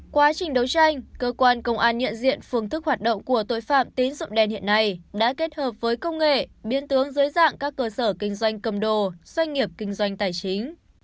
quá trình đấu tranh cơ quan công an nhận diện phương thức hoạt động của tội phạm tín dụng đen hiện nay đã kết hợp với công nghệ biến tướng dưới dạng các cơ sở kinh doanh cầm đồ doanh nghiệp kinh doanh tài chính